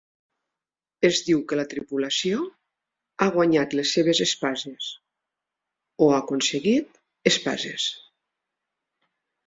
Es diu que la tripulació "ha guanyat les seves espases" o ha aconseguit "espases".